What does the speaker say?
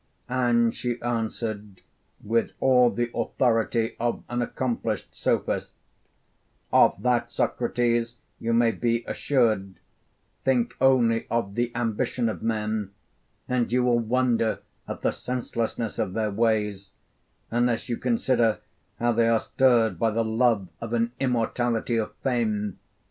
And she answered with all the authority of an accomplished sophist: 'Of that, Socrates, you may be assured; think only of the ambition of men, and you will wonder at the senselessness of their ways, unless you consider how they are stirred by the love of an immortality of fame.